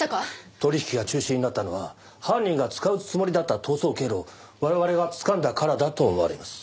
取引が中止になったのは犯人が使うつもりだった逃走経路を我々がつかんだからだと思われます。